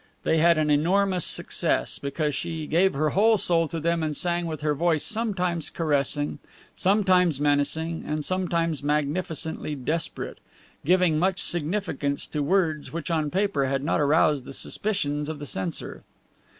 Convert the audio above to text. They had an enormous success, because she gave her whole soul to them and sang with her voice sometimes caressing, sometimes menacing, and sometimes magnificently desperate, giving much significance to words which on paper had not aroused the suspicions of the censor.